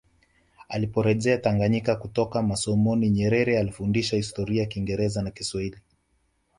Aliporejea Tanganyika kutoka masomoni Nyerere alifundisha Historia Kingereza na Kiswahili